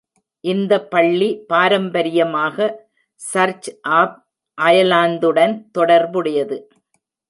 இந்த பள்ளி பாரம்பரியமாக சர்ச் ஆஃப் அயர்லாந்துடன் தொடர்புடையது.